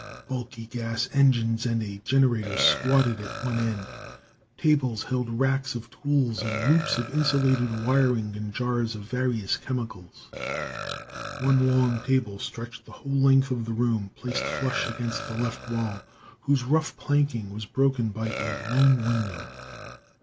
Bulky gas engines and a generator squatted at one end; tables held racks of tools and loops of insulated wiring and jars of various chemicals. One long table stretched the whole length of the room, placed flush against the left wall, whose rough planking was broken by a lone window.